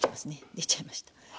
出ちゃいました。